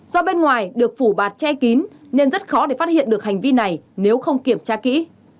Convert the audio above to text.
do bên ngoài được phủ bạt che kín nên rất khó để phát hiện được hành vi này nếu không kiểm tra kỹ